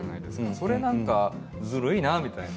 それはずるいなみたいな。